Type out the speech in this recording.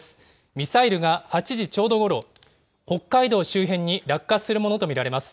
ミサイルが８時ちょうどごろ、北海道周辺に落下するものと見られます。